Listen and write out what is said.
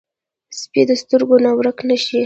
سپي د سترګو نه ورک نه شي.